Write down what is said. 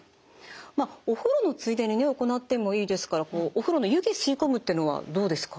まあお風呂のついでにね行ってもいいですからお風呂の湯気吸い込むっていうのはどうですか？